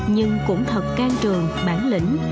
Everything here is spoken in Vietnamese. nhưng cũng thật can trường bản lĩnh